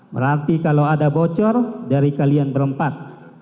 berarti kalau ada bocor dari kalian berempat